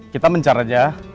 kita mencar aja